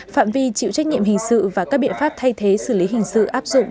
phạm vi chịu trách nhiệm hình sự và các biện pháp thay thế xử lý hình sự áp dụng